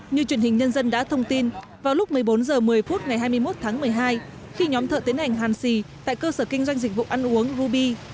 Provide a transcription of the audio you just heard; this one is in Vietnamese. như truyền hình nhân dân đã thông tin vào lúc một mươi bốn h một mươi phút ngày hai mươi một tháng một mươi hai khi nhóm thợ tiến hành hàn xì tại cơ sở kinh doanh dịch vụ ăn uống ruby